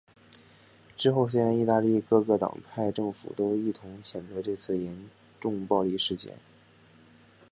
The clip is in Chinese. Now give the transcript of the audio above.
之后虽然意大利各个党派政府都一同谴责这次的严重暴力事件。